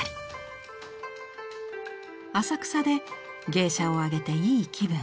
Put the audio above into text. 浅草で芸者をあげていい気分。